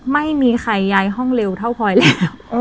ไม่มีใครย้ายห้องเร็วเท่าพลอยแล้ว